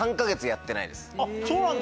そうなんだ。